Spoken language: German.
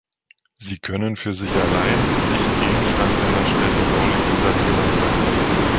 Sie können für sich allein nicht Gegenstand einer städtebaulichen Sanierung sein.